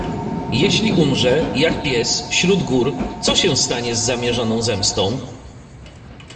"Jeśli umrze, jak pies, śród gór, co się stanie z zamierzoną zemstą?"